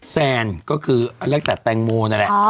แซนก็คืออันแรกแต่แตงโมนั่นแหละ